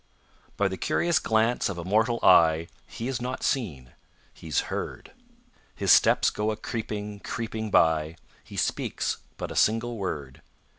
By the curious glance of a mortal eye He is not seen. He's heard. His steps go a creeping, creeping by, He speaks but a single word.